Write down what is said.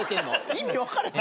意味分からへん。